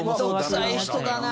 面倒臭い人だな。